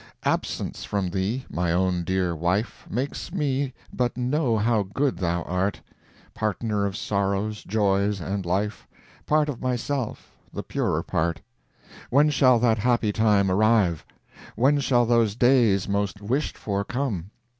Absence from thee, my own dear wife, Makes me but know how good thou art; Partner of sorrows, joys, and life— Part of myself—the purer part. When shall that happy time arrive? When shall those days most wished for come?